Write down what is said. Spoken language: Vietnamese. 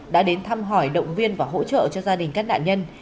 đã đến thăm hỏi động viên và hỗ trợ cho gia đình các nạn nhân